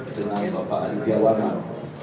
dengan bapak aditya warman